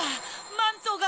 マントが。